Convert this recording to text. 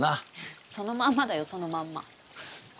そのまんまだよそのまんま。